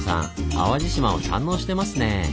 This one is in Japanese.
淡路島を堪能してますね！